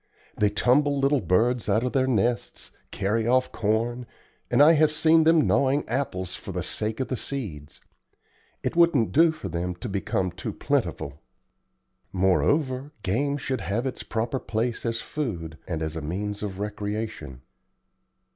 They tumble little birds out of their nests, carry off corn, and I have seen them gnawing apples for the sake of the seeds. It wouldn't do for them to become too plentiful. Moreover, game should have its proper place as food, and as a means of recreation.